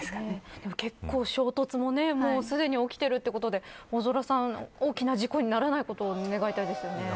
でも結構衝突も起きているということで大きな事故にならないことを願いたいですよね。